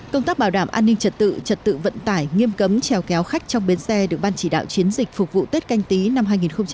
công tác bảo đảm an ninh trật tự trật tự vận tải nghiêm cấm trèo kéo khách trong bến xe được ban chỉ đạo chiến dịch phục vụ tết canh tí năm hai nghìn hai mươi